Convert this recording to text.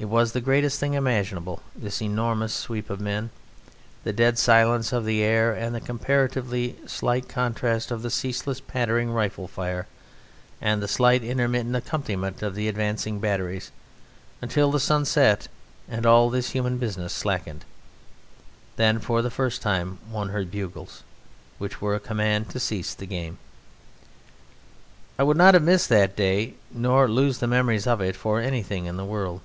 It was the greatest thing imaginable: this enormous sweep of men, the dead silence of the air, and the comparatively slight contrast of the ceaseless pattering rifle fire and the slight intermittent accompaniment of the advancing batteries; until the sun set and all this human business slackened. Then for the first time one heard bugles, which were a command to cease the game. I would not have missed that day nor lose the memories of it for anything in the world.